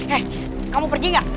eh kamu pergi gak